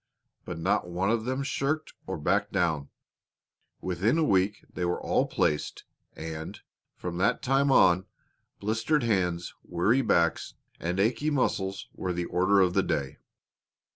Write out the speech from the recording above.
But not one of them shirked or backed down. Within a week they were all placed, and, from that time on, blistered hands, weary backs, and aching muscles were the order of the day.